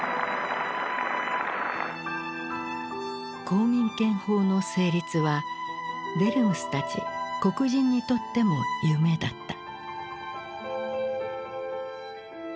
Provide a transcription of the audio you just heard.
公民権法の成立はデルムスたち黒人にとっても夢だった。